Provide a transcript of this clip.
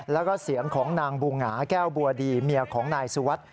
แล้วก็เสียงของนางบูหงาแก้วบัวดีเมียของนายสุวัสดิ์